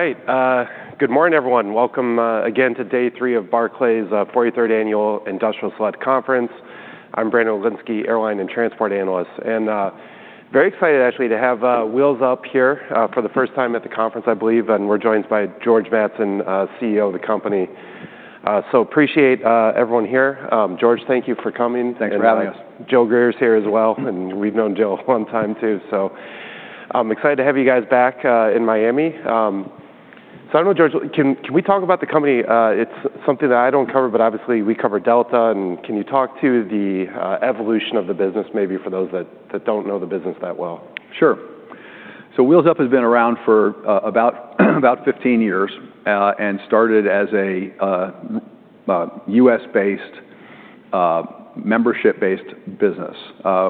All right, good morning, everyone. Welcome again to day three of Barclays' 43rd annual industrial select conference. I'm Brandon Oglenski, airline and transport analyst, and very excited actually to have Wheels Up here for the first time at the conference, I believe, and we're joined by George Mattson, CEO of the company. So appreciate everyone here. George, thank you for coming. Thanks for having us. Joe Greer's here as well, and we've known Joe a long time, too. I'm excited to have you guys back in Miami. I don't know, George, can we talk about the company? It's something that I don't cover, but obviously, we cover Delta. And can you talk to the evolution of the business, maybe for those that don't know the business that well? Sure. So Wheels Up has been around for about 15 years and started as a U.S.-based membership-based business.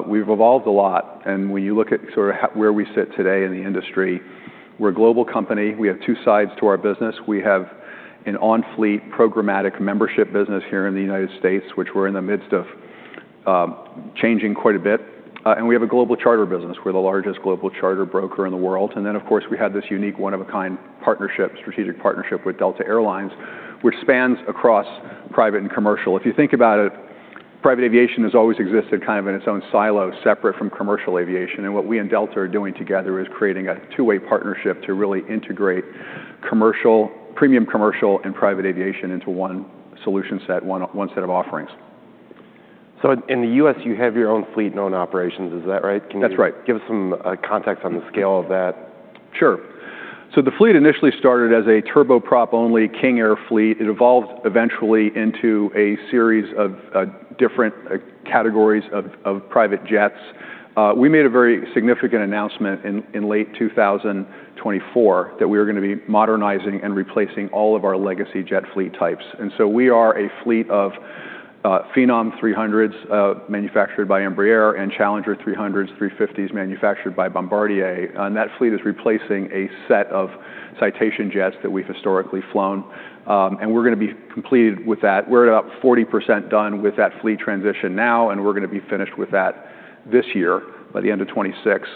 We've evolved a lot, and when you look at sort of where we sit today in the industry, we're a global company. We have two sides to our business. We have an on-fleet programmatic membership business here in the United States, which we're in the midst of changing quite a bit, and we have a global charter business. We're the largest global charter broker in the world, and then, of course, we have this unique, one-of-a-kind partnership, strategic partnership with Delta Air Lines, which spans across private and commercial. If you think about it, private aviation has always existed kind of in its own silo, separate from commercial aviation, and what we and Delta are doing together is creating a two-way partnership to really integrate commercial, premium commercial and private aviation into one solution set, one, one set of offerings. So in the U.S., you have your own fleet and own operations, is that right? Can you- That's right. Give us some context on the scale of that? Sure. So the fleet initially started as a turboprop-only King Air fleet. It evolved eventually into a series of different categories of private jets. We made a very significant announcement in late 2024 that we were gonna be modernizing and replacing all of our legacy jet fleet types, and so we are a fleet of Phenom 300s manufactured by Embraer, and Challenger 300s, 350s, manufactured by Bombardier. And that fleet is replacing a set of Citation jets that we've historically flown, and we're gonna be completed with that. We're about 40% done with that fleet transition now, and we're gonna be finished with that this year, by the end of 2026.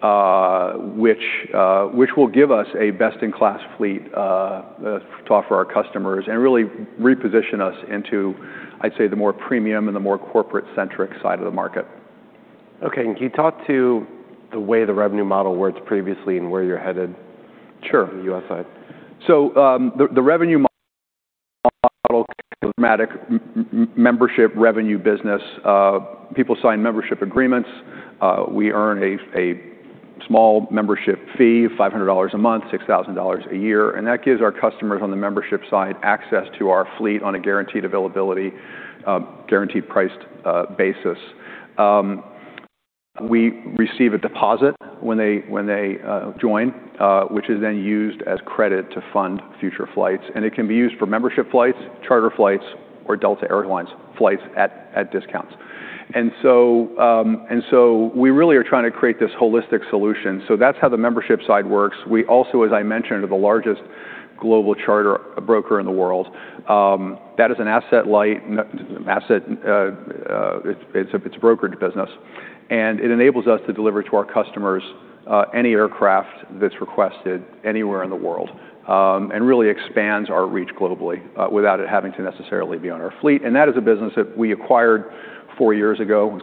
Which will give us a best-in-class fleet to offer our customers and really reposition us into, I'd say, the more premium and the more corporate-centric side of the market. Okay, can you talk to the way the revenue model worked previously and where you're headed? Sure -the U.S. side? So, the revenue model programmatic membership revenue business, people sign membership agreements. We earn a small membership fee, $500 a month, $6,000 a year, and that gives our customers on the membership side access to our fleet on a guaranteed availability, guaranteed priced basis. We receive a deposit when they join, which is then used as credit to fund future flights, and it can be used for membership flights, charter flights, or Delta Air Lines flights at discounts. We really are trying to create this holistic solution. That's how the membership side works. We also, as I mentioned, are the largest global charter broker in the world. That is an asset-light asset... It's, it's a brokerage business, and it enables us to deliver to our customers any aircraft that's requested anywhere in the world, and really expands our reach globally without it having to necessarily be on our fleet, and that is a business that we acquired four years ago,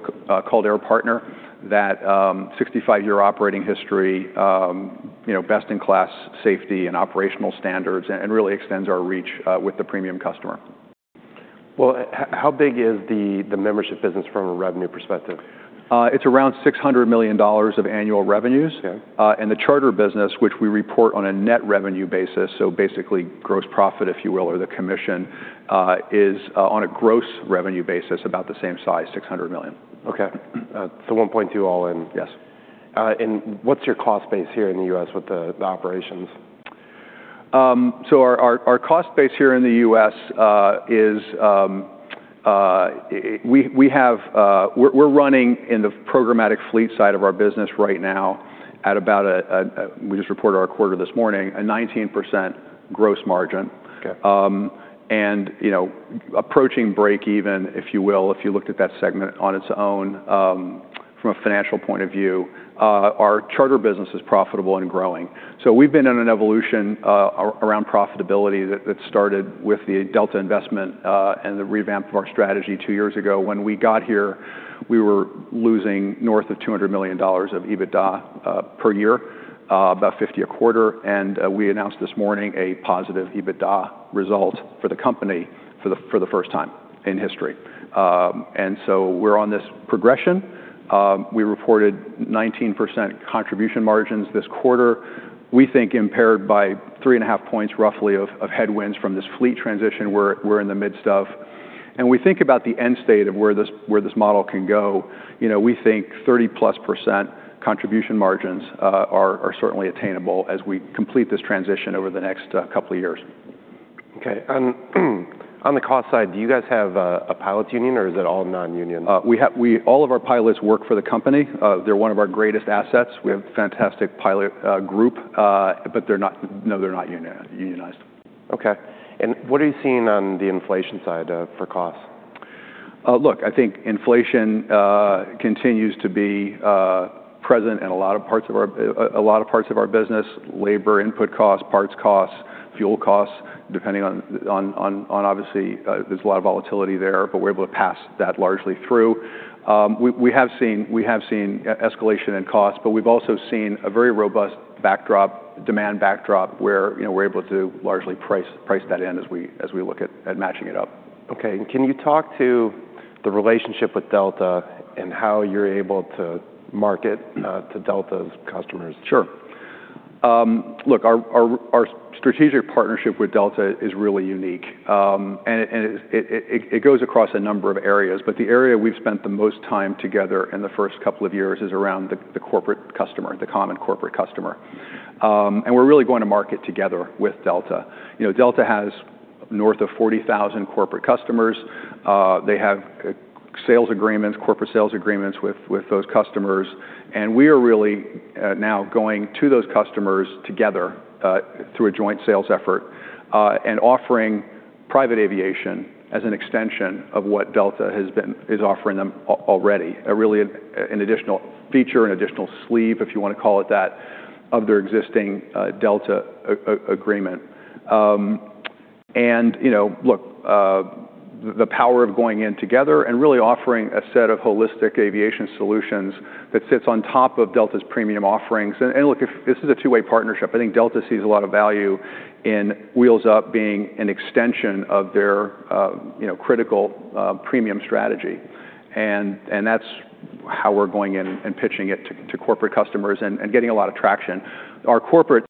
called Air Partner, that 65-year operating history, you know, best-in-class safety and operational standards, and, and really extends our reach with the premium customer. Well, how big is the membership business from a revenue perspective? It's around $600 million of annual revenues. Okay. And the charter business, which we report on a net revenue basis, so basically gross profit, if you will, or the commission, is on a gross revenue basis about the same size, $600 million. Okay. So 1.2 all in? Yes. What's your cost base here in the U.S. with the operations? So, our cost base here in the U.S. is—we have, we're running in the programmatic fleet side of our business right now at about—we just reported our quarter this morning, a 19% gross margin. Okay. And, you know, approaching break-even, if you will, if you looked at that segment on its own, from a financial point of view, our charter business is profitable and growing. So we've been in an evolution around profitability that started with the Delta investment and the revamp of our strategy two years ago. When we got here, we were losing north of $200 million of EBITDA per year, about $50 million a quarter, and we announced this morning a positive EBITDA result for the company for the first time in history. And so we're on this progression. We reported 19% contribution margins this quarter, we think impaired by 3.5 points, roughly, of headwinds from this fleet transition we're in the midst of. We think about the end state of where this model can go. You know, we think 30%+ contribution margins are certainly attainable as we complete this transition over the next couple of years. Okay, and on the cost side, do you guys have a pilots' union, or is it all non-union? We have all of our pilots work for the company. They're one of our greatest assets. We have a fantastic pilot group, but they're not. No, they're not unionized. Okay, and what are you seeing on the inflation side, for costs?... Look, I think inflation continues to be present in a lot of parts of our business: labor, input costs, parts costs, fuel costs, depending on obviously, there's a lot of volatility there, but we're able to pass that largely through. We have seen escalation in costs, but we've also seen a very robust backdrop, demand backdrop, where, you know, we're able to largely price that in as we look at matching it up. Okay, and can you talk to the relationship with Delta and how you're able to market to Delta's customers? Sure. Look, our strategic partnership with Delta is really unique. And it goes across a number of areas, but the area we've spent the most time together in the first couple of years is around the corporate customer, the common corporate customer. And we're really going to market together with Delta. You know, Delta has north of 40,000 corporate customers. They have sales agreements, corporate sales agreements with those customers, and we are really now going to those customers together through a joint sales effort, and offering private aviation as an extension of what Delta is offering them already, a really, an additional feature, an additional sleeve, if you want to call it that, of their existing Delta agreement. And, you know, look, the power of going in together and really offering a set of holistic aviation solutions that sits on top of Delta's premium offerings. And look, if this is a two-way partnership, I think Delta sees a lot of value in Wheels Up being an extension of their, you know, critical premium strategy. And that's how we're going in and pitching it to corporate customers and getting a lot of traction. Our corporate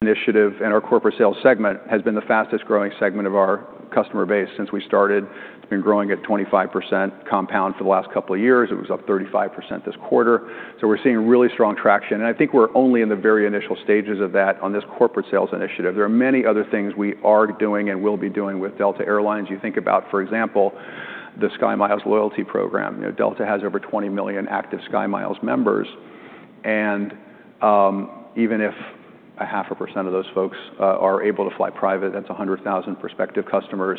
initiative and our corporate sales segment has been the fastest-growing segment of our customer base since we started. It's been growing at 25% compound for the last couple of years. It was up 35% this quarter. So we're seeing really strong traction, and I think we're only in the very initial stages of that on this corporate sales initiative. There are many other things we are doing and will be doing with Delta Air Lines. You think about, for example, the SkyMiles loyalty program. You know, Delta has over 20 million active SkyMiles members, and even if 0.5% of those folks are able to fly private, that's 100,000 prospective customers.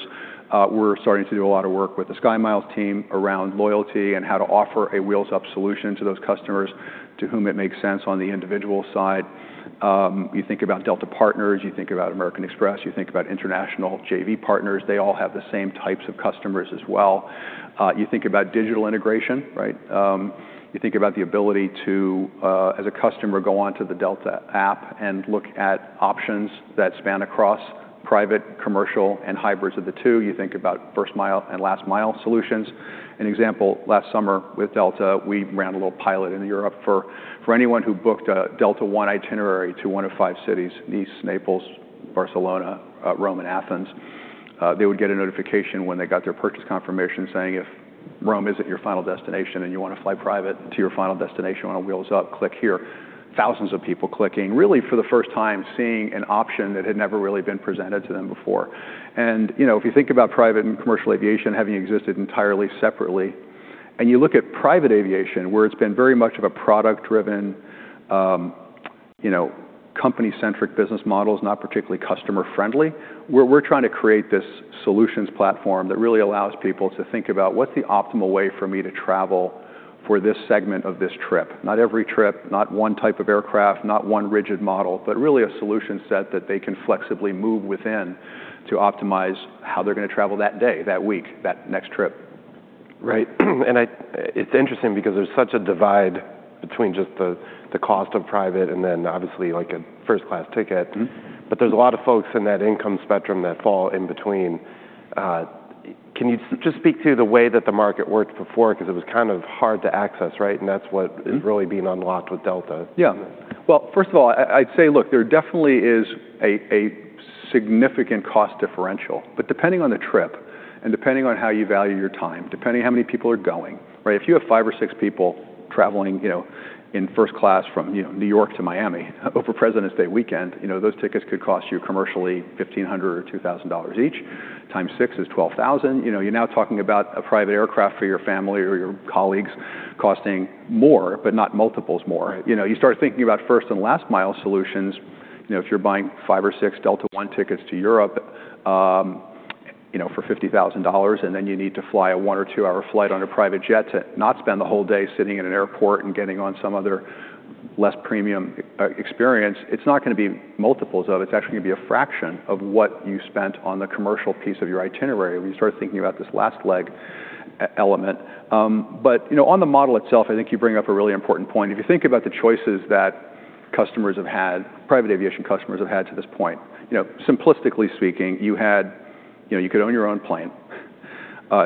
We're starting to do a lot of work with the SkyMiles team around loyalty and how to offer a Wheels Up solution to those customers to whom it makes sense on the individual side. You think about Delta partners, you think about American Express, you think about international JV partners. They all have the same types of customers as well. You think about digital integration, right? You think about the ability to, as a customer, go onto the Delta app and look at options that span across private, commercial, and hybrids of the two. You think about first-mile and last-mile solutions. An example, last summer with Delta, we ran a little pilot in Europe for anyone who booked a Delta One itinerary to one of five cities, Nice, Naples, Barcelona, Rome, and Athens, they would get a notification when they got their purchase confirmation, saying, "If Rome isn't your final destination and you want to fly private to your final destination on a Wheels Up, click here." Thousands of people clicking, really for the first time, seeing an option that had never really been presented to them before. You know, if you think about private and commercial aviation having existed entirely separately, and you look at private aviation, where it's been very much of a product-driven, you know, company-centric business models, not particularly customer-friendly, we're trying to create this solutions platform that really allows people to think about, "What's the optimal way for me to travel for this segment of this trip?" Not every trip, not one type of aircraft, not one rigid model, but really a solution set that they can flexibly move within to optimize how they're going to travel that day, that week, that next trip. Right. And it's interesting because there's such a divide between just the cost of private and then obviously, like a first-class ticket. Mm-hmm. But there's a lot of folks in that income spectrum that fall in between. Can you just speak to the way that the market worked before? Because it was kind of hard to access, right? And that's what- Mm is really being unlocked with Delta. Yeah. Well, first of all, I, I'd say, look, there definitely is a significant cost differential, but depending on the trip, and depending on how you value your time, depending on how many people are going, right? If you have five or six people traveling, you know, in first class from, you know, New York to Miami over President's Day weekend, you know, those tickets could cost you commercially $1,500 or $2,000 each. Times six is $12,000. You know, you're now talking about a private aircraft for your family or your colleagues costing more, but not multiples more. Right. You know, you start thinking about first and last-mile solutions. You know, if you're buying five or six Delta One tickets to Europe, you know, for $50,000, and then you need to fly a one- or two-hour flight on a private jet to not spend the whole day sitting in an airport and getting on some other less premium experience, it's not gonna be multiples of, it's actually gonna be a fraction of what you spent on the commercial piece of your itinerary, when you start thinking about this last leg element. But, you know, on the model itself, I think you bring up a really important point. If you think about the choices that customers have had, private aviation customers have had to this point, you know, simplistically speaking, you had, you know, you could own your own plane,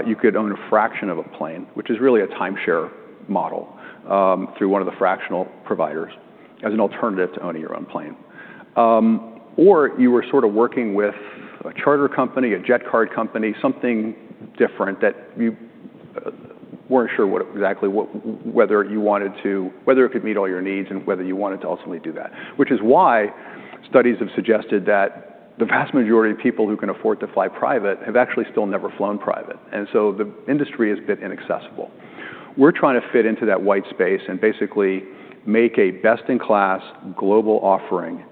you could own a fraction of a plane, which is really a timeshare model, through one of the fractional providers as an alternative to owning your own plane. Or you were sort of working with a charter company, a jet card company, something different that you weren't sure what exactly whether it could meet all your needs and whether you wanted to ultimately do that. Which is why studies have suggested that the vast majority of people who can afford to fly private have actually still never flown private, and so the industry has been inaccessible. We're trying to fit into that white space and basically make a best-in-class global offering,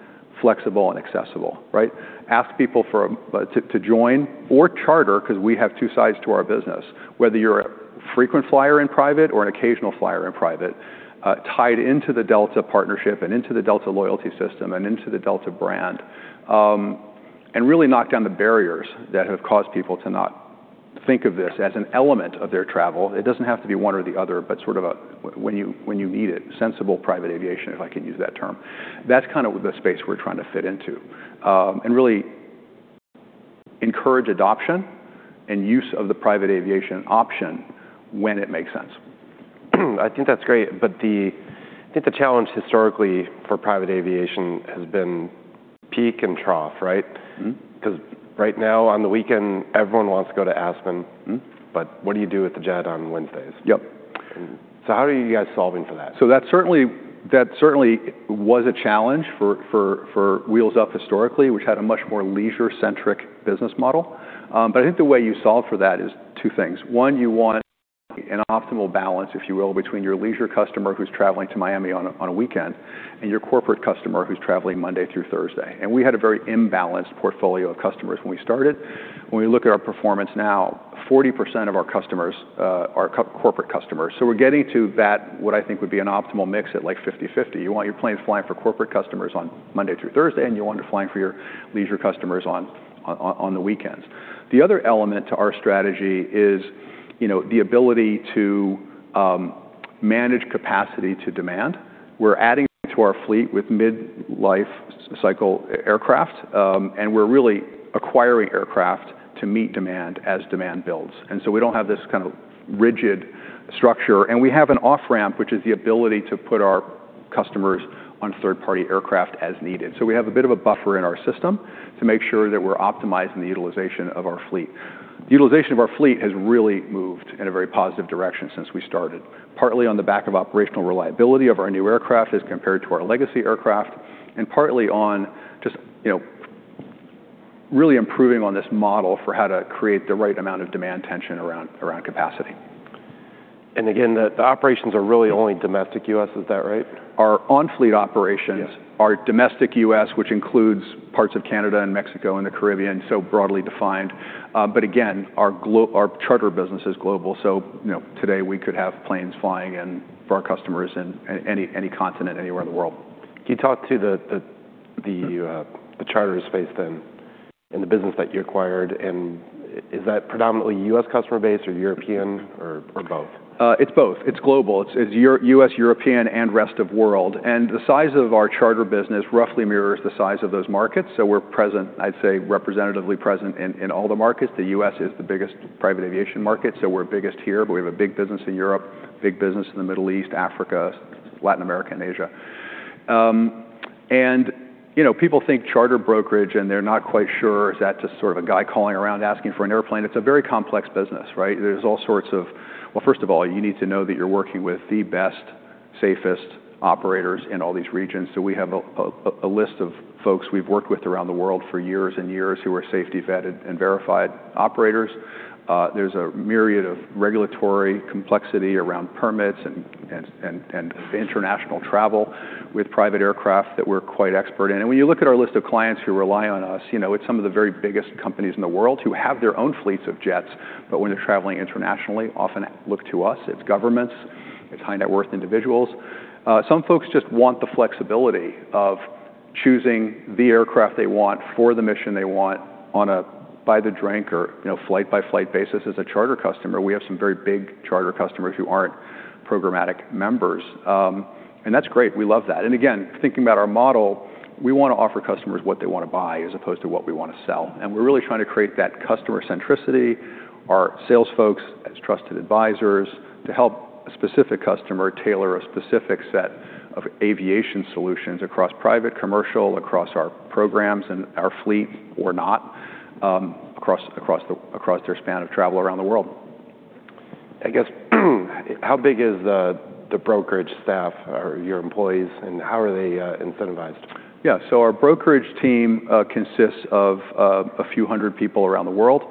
flexible and accessible, right? Ask people to join or charter, because we have two sides to our business. Whether you're a frequent flyer in private or an occasional flyer in private, tied into the Delta partnership and into the Delta loyalty system and into the Delta brand. And really knock down the barriers that have caused people to not think of this as an element of their travel. It doesn't have to be one or the other, but sort of a when you, when you need it, sensible private aviation, if I can use that term. That's kind of the space we're trying to fit into. And really encourage adoption and use of the private aviation option when it makes sense. I think that's great, but the, I think the challenge historically for private aviation has been peak and trough, right? Mm-hmm. 'Cause right now, on the weekend, everyone wants to go to Aspen. Mm-hmm. But what do you do with the jet on Wednesdays? Yep. So how are you guys solving for that? So that certainly was a challenge for Wheels Up historically, which had a much more leisure-centric business model. But I think the way you solve for that is two things. One, you want an optimal balance, if you will, between your leisure customer who's traveling to Miami on a weekend, and your corporate customer who's traveling Monday through Thursday. And we had a very imbalanced portfolio of customers when we started. When we look at our performance now, 40% of our customers are corporate customers. So we're getting to that, what I think would be an optimal mix at, like, 50/50. You want your planes flying for corporate customers on Monday through Thursday, and you want them flying for your leisure customers on the weekends. The other element to our strategy is, you know, the ability to manage capacity to demand. We're adding to our fleet with mid-life cycle aircraft, and we're really acquiring aircraft to meet demand as demand builds. And so we don't have this kind of rigid structure, and we have an off-ramp, which is the ability to put our customers on third-party aircraft as needed. So we have a bit of a buffer in our system to make sure that we're optimizing the utilization of our fleet. The utilization of our fleet has really moved in a very positive direction since we started, partly on the back of operational reliability of our new aircraft as compared to our legacy aircraft, and partly on just, you know, really improving on this model for how to create the right amount of demand tension around capacity. And again, the operations are really only domestic U.S., is that right? Our on-fleet operations- Yes... are domestic U.S., which includes parts of Canada and Mexico and the Caribbean, so broadly defined. But again, our charter business is global, so, you know, today we could have planes flying in for our customers in any, any continent, anywhere in the world. Can you talk to the charter space then, in the business that you acquired, and is that predominantly U.S. customer base or European or both? It's both. It's global. It's U.S., European, and rest of world. And the size of our charter business roughly mirrors the size of those markets, so we're present, I'd say, representatively present in all the markets. The U.S. is the biggest private aviation market, so we're biggest here, but we have a big business in Europe, big business in the Middle East, Africa, Latin America, and Asia. And, you know, people think charter brokerage, and they're not quite sure. Is that just sort of a guy calling around asking for an airplane? It's a very complex business, right? There's all sorts of. Well, first of all, you need to know that you're working with the best, safest operators in all these regions. So we have a list of folks we've worked with around the world for years and years who are safety-vetted and verified operators. There's a myriad of regulatory complexity around permits and international travel with private aircraft that we're quite expert in. And when you look at our list of clients who rely on us, you know, it's some of the very biggest companies in the world who have their own fleets of jets, but when they're traveling internationally, often look to us. It's governments, it's high-net-worth individuals. Some folks just want the flexibility of choosing the aircraft they want for the mission they want on a by-the-drink or, you know, flight-by-flight basis. As a charter customer, we have some very big charter customers who aren't programmatic members. And that's great. We love that. Again, thinking about our model, we want to offer customers what they want to buy, as opposed to what we want to sell. We're really trying to create that customer centricity, our sales folks as trusted advisors, to help a specific customer tailor a specific set of aviation solutions across private, commercial, across our programs and our fleet or not, across their span of travel around the world. I guess, how big is the brokerage staff or your employees, and how are they incentivized? Yeah. So our brokerage team consists of a few hundred people around the world.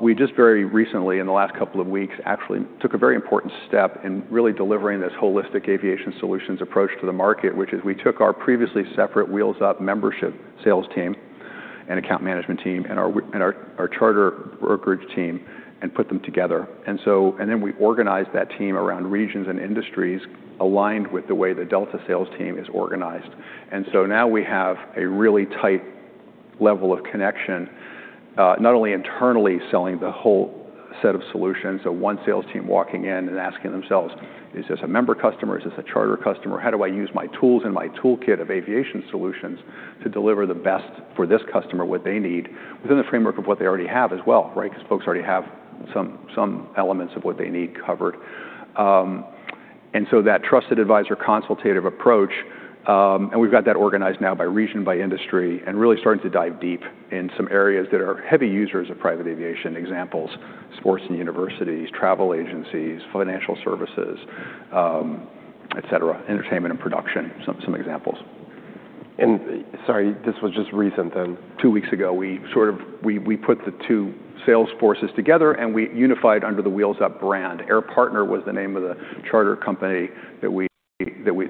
We just very recently, in the last couple of weeks, actually took a very important step in really delivering this holistic aviation solutions approach to the market, which is we took our previously separate Wheels Up membership sales team and account management team and our charter brokerage team and put them together. And then we organized that team around regions and industries aligned with the way the Delta sales team is organized. And so now we have a really tight level of connection, not only internally selling the whole set of solutions, so one sales team walking in and asking themselves: "Is this a member customer? Is this a charter customer? How do I use my tools and my toolkit of aviation solutions to deliver the best for this customer, what they need, within the framework of what they already have as well," right? Because folks already have some elements of what they need covered. And so that trusted advisor consultative approach, and we've got that organized now by region, by industry, and really starting to dive deep in some areas that are heavy users of private aviation. Examples, sports and universities, travel agencies, financial services, et cetera, entertainment and production, some examples. And- Sorry, this was just recent then? Two weeks ago, we sort of put the two sales forces together, and we unified under the Wheels Up brand. Air Partner was the name of the charter company that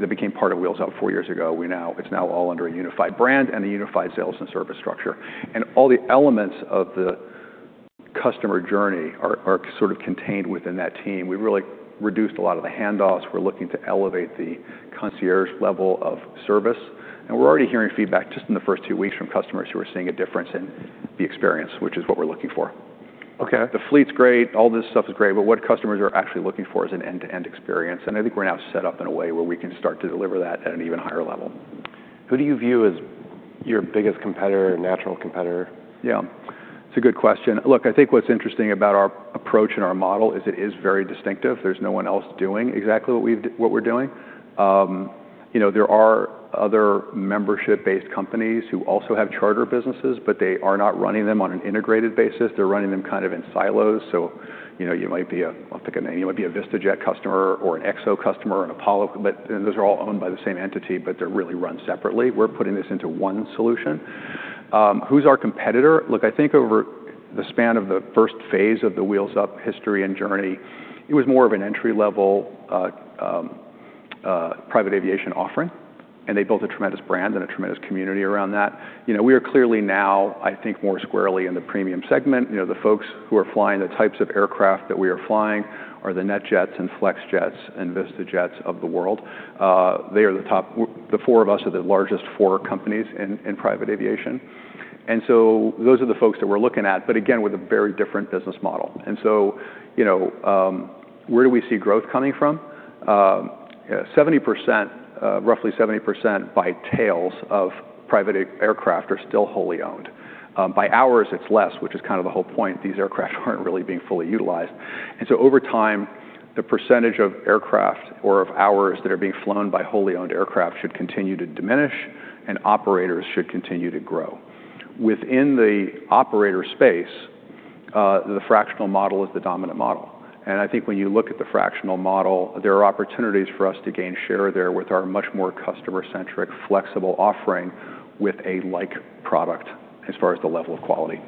became part of Wheels Up four years ago. It's now all under a unified brand and a unified sales and service structure. All the elements of the customer journey are sort of contained within that team. We've really reduced a lot of the handoffs. We're looking to elevate the concierge level of service, and we're already hearing feedback just in the first two weeks from customers who are seeing a difference in the experience, which is what we're looking for. Okay. The fleet's great, all this stuff is great, but what customers are actually looking for is an end-to-end experience, and I think we're now set up in a way where we can start to deliver that at an even higher level. Who do you view as your biggest competitor, natural competitor? Yeah, it's a good question. Look, I think what's interesting about our approach and our model is it is very distinctive. There's no one else doing exactly what we're doing. You know, there are other membership-based companies who also have charter businesses, but they are not running them on an integrated basis. They're running them kind of in silos, so, you know, you might be a, I'll pick a name, you might be a VistaJet customer or an XO customer, and those are all owned by the same entity, but they're really run separately. We're putting this into one solution. Who's our competitor? Look, I think over the span of the first phase of the Wheels Up history and journey, it was more of an entry-level private aviation offering, and they built a tremendous brand and a tremendous community around that. You know, we are clearly now, I think, more squarely in the premium segment. You know, the folks who are flying the types of aircraft that we are flying are the Netjets and Flexjet and Vistajet of the world. They are the top. The four of us are the largest four companies in private aviation, and so those are the folks that we're looking at, but again, with a very different business model. And so, you know, where do we see growth coming from? Yeah, roughly 70% by tails of private aircraft are still wholly owned. By hours, it's less, which is kind of the whole point. These aircraft aren't really being fully utilized. And so over time, the percentage of aircraft or of hours that are being flown by wholly owned aircraft should continue to diminish and operators should continue to grow. Within the operator space, the fractional model is the dominant model, and I think when you look at the fractional model, there are opportunities for us to gain share there with our much more customer-centric, flexible offering with a like product as far as the level of quality.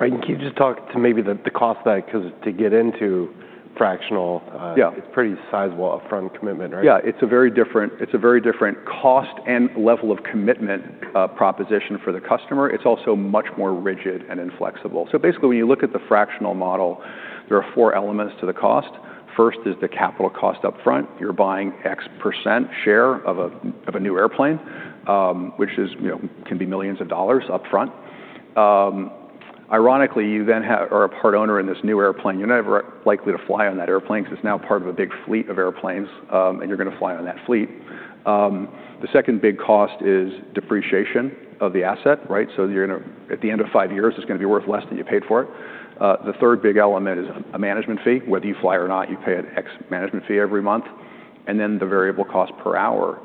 Right, and can you just talk to maybe the cost of that? 'Cause to get into fractional- Yeah. It's a pretty sizable upfront commitment, right? Yeah, it's a very different cost and level of commitment proposition for the customer. It's also much more rigid and inflexible. So basically, when you look at the fractional model, there are four elements to the cost. First is the capital cost upfront. You're buying X% share of a new airplane, which is, you know, can be $millions upfront. Ironically, you then are a part owner in this new airplane. You're never likely to fly on that airplane because it's now part of a big fleet of airplanes, and you're going to fly on that fleet. The second big cost is depreciation of the asset, right? So you're gonna at the end of five years, it's going to be worth less than you paid for it. The third big element is a management fee. Whether you fly or not, you pay an X management fee every month, and then the variable cost per hour.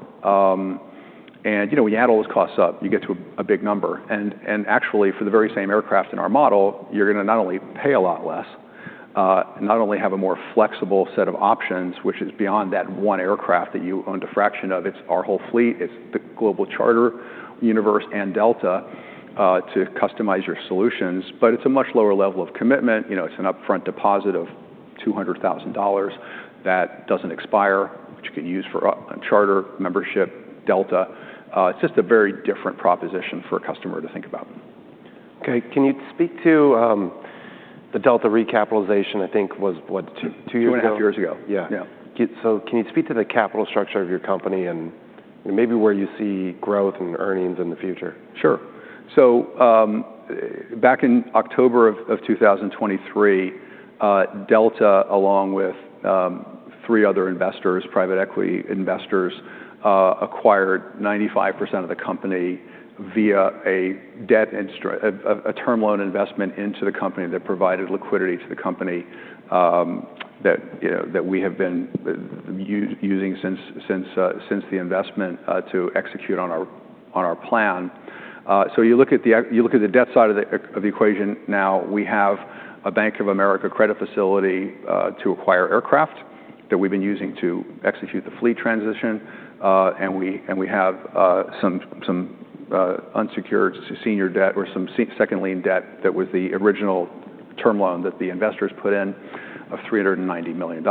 And, you know, when you add all those costs up, you get to a big number. And actually, for the very same aircraft in our model, you're gonna not only pay a lot less, not only have a more flexible set of options, which is beyond that one aircraft that you owned a fraction of, it's our whole fleet, it's the global charter universe and Delta to customize your solutions, but it's a much lower level of commitment. You know, it's an upfront deposit of $200,000 that doesn't expire, which you can use for a charter, membership, Delta. It's just a very different proposition for a customer to think about. Okay, can you speak to the Delta recapitalization, I think, was what, 2 years ago? 2.5 years ago. Yeah. Yeah. Can you speak to the capital structure of your company and maybe where you see growth and earnings in the future? Sure. So, back in October of 2023, Delta, along with three other investors, private equity investors, acquired 95% of the company via a term loan investment into the company that provided liquidity to the company, that, you know, that we have been using since the investment to execute on our plan. So you look at the debt side of the equation now, we have a Bank of America credit facility to acquire aircraft that we've been using to execute the fleet transition, and we have some unsecured senior debt or some second lien debt that was the original term loan that the investors put in of $390 million.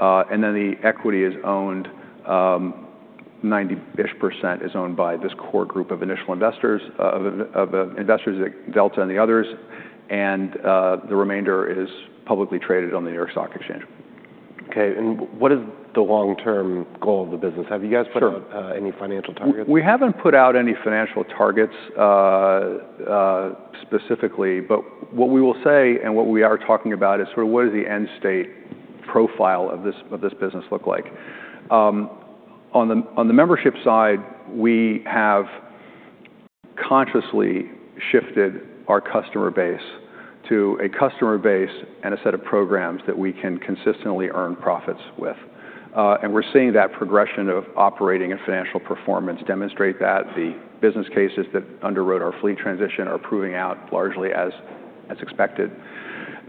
And then the equity is owned, 90%-ish percent is owned by this core group of initial investors at Delta and the others, and the remainder is publicly traded on the New York Stock Exchange. Okay, and what is the long-term goal of the business? Sure. Have you guys put out any financial targets? We haven't put out any financial targets, specifically, but what we will say and what we are talking about is sort of what does the end state profile of this business look like? On the membership side, we have consciously shifted our customer base to a customer base and a set of programs that we can consistently earn profits with. And we're seeing that progression of operating and financial performance demonstrate that. The business cases that underwrote our fleet transition are proving out largely as expected.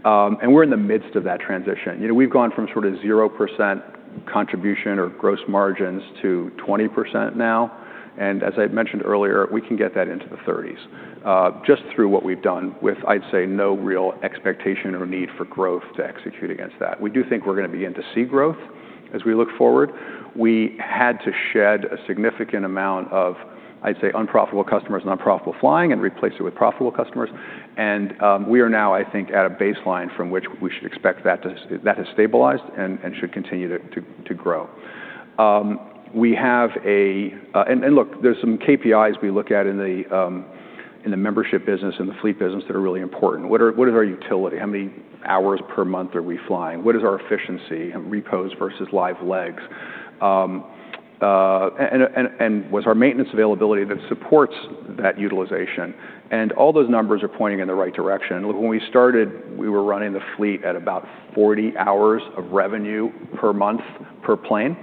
And we're in the midst of that transition. You know, we've gone from sort of 0% contribution or gross margins to 20% now, and as I mentioned earlier, we can get that into the 30s, just through what we've done with, I'd say, no real expectation or need for growth to execute against that. We do think we're going to begin to see growth... as we look forward, we had to shed a significant amount of, I'd say, unprofitable customers and unprofitable flying and replace it with profitable customers. We are now, I think, at a baseline from which we should expect that to—that has stabilized and should continue to grow. We have a... Look, there's some KPIs we look at in the membership business and the fleet business that are really important. What are, what is our utility? How many hours per month are we flying? What is our efficiency, repose versus live legs? What's our maintenance availability that supports that utilization? And all those numbers are pointing in the right direction. When we started, we were running the fleet at about 40 hours of revenue per month, per plane.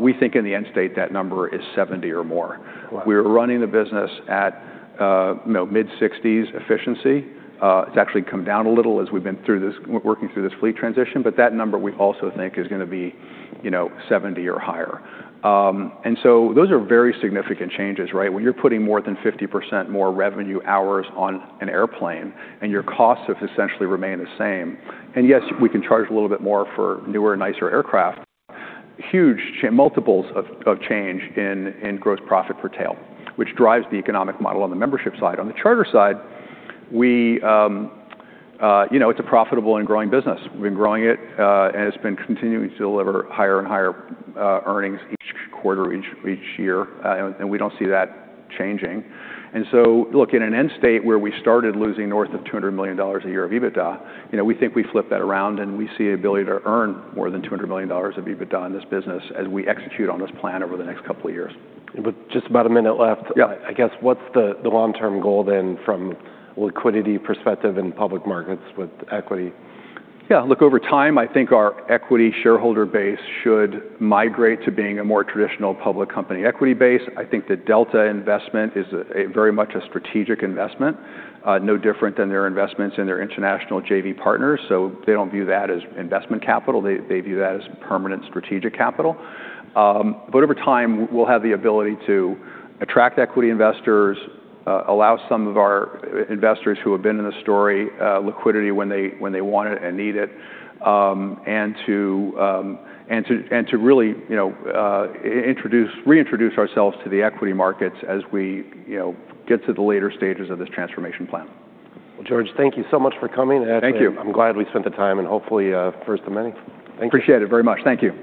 We think in the end state, that number is 70 or more. Wow! We're running the business at, you know, mid-60s efficiency. It's actually come down a little as we've been through this, working through this fleet transition, but that number we also think is gonna be, you know, 70 or higher. Those are very significant changes, right? When you're putting more than 50% more revenue hours on an airplane, and your costs have essentially remained the same, and yes, we can charge a little bit more for newer and nicer aircraft, huge multiples of change in gross profit per tail, which drives the economic model on the membership side. On the charter side, we, you know, it's a profitable and growing business. We've been growing it, and it's been continuing to deliver higher and higher earnings each quarter, each year, and we don't see that changing. So, look, in an end state where we started losing north of $200 million a year of EBITDA, you know, we think we flip that around, and we see the ability to earn more than $200 million of EBITDA in this business as we execute on this plan over the next couple of years. With just about a minute left- Yeah. I guess, what's the long-term goal then, from a liquidity perspective in public markets with equity? Yeah, look, over time, I think our equity shareholder base should migrate to being a more traditional public company equity base. I think the Delta investment is a very much a strategic investment, no different than their investments in their international JV partners, so they don't view that as investment capital. They view that as permanent strategic capital. But over time, we'll have the ability to attract equity investors, allow some of our investors who have been in the story liquidity when they want it and need it, and to really, you know, reintroduce ourselves to the equity markets as we, you know, get to the later stages of this transformation plan. Well, George, thank you so much for coming. Thank you. I'm glad we spent the time, and hopefully, first of many. Thank you. Appreciate it very much. Thank you.